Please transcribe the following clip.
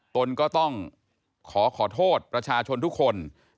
ตนก็ต้องขอขอโทษประชาชนทุกคน